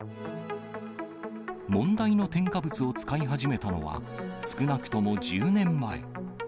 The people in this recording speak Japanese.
問題の添加物を使い始めたのは、少なくとも１０年前。